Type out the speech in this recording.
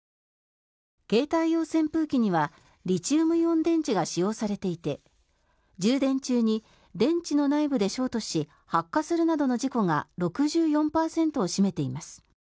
携帯用扇風機にはリチウムイオン電池が使用されていて充電中に電池の内部でショートし発火するなどの事故が６４％を占めています。